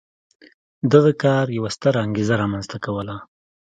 دغه کار یوه ستره انګېزه رامنځته کوله.